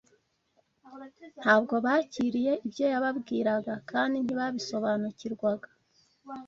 Ntabwo bakiriye ibyo yababwiraga kandi ntibabisobanukirwaga